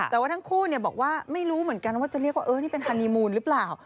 แต่ว่าทั้งคู่บอกว่าไม่รู้เหมือนกันว่าจะเรียกว่าเออนี่เป็นฮานีมูลหรือเปล่า